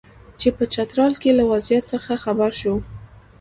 چې په چترال کې له وضعیت څخه خبر شو.